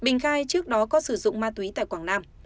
nó có sử dụng ma túy tại quảng nam